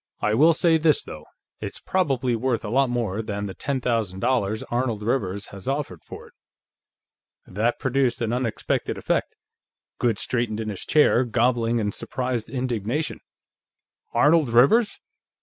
I will say this, though: It's probably worth a lot more than the ten thousand dollars Arnold Rivers has offered for it." That produced an unexpected effect. Goode straightened in his chair, gobbling in surprised indignation. "Arnold Rivers?